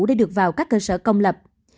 để được vào các cơ sở công lập